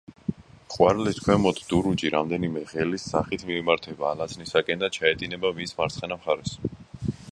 ყვარლის ქვემოთ დურუჯი რამდენიმე ღელის სახით მიემართება ალაზნისაკენ და ჩაედინება მის მარცხენა მხარეს.